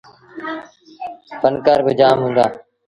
ڦنڪآر با جآم هُݩدآ۔